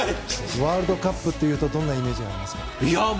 ワールドカップというとどんなイメージがありますか。